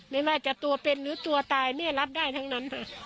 ไม่ว่าจะตัวเป็นหรือตัวตายแม่รับได้ทั้งนั้นค่ะ